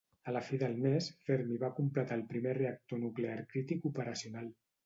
A la fi del mes, Fermi va completar el primer reactor nuclear crític operacional.